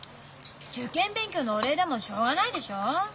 受験勉強のお礼だもんしょうがないでしょ？